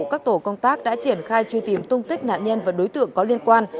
các tổ công tác đã triển khai truy tìm tung tích nạn nhân và đối tượng có liên quan